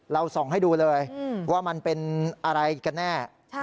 เราส่องให้ดูเลยว่ามันเป็นอะไรกันแน่